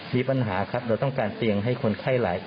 มีปัญหาครับเราต้องการเตียงให้คนไข้หลายคน